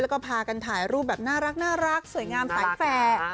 แล้วก็พากันถ่ายรูปแบบน่ารักสวยงามสายแฟร์